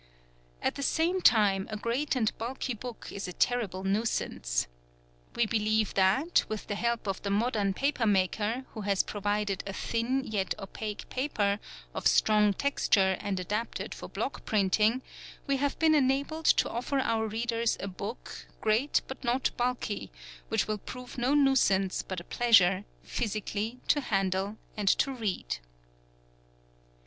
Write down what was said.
At the same time, a great and bulky book is a terrible nuisance. We believe that, with the help of the modern paper maker, who has provided a thin yet opaque paper, of strong texture and adapted for block printing, we have been enabled to offer our readers a book, great but not bulky, which will prove no nuisance but a pleasure, physically, to handle and to read.